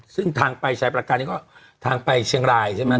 ซึ่งทางไปชายประการนี้ก็ทางไปเชียงรายใช่ไหม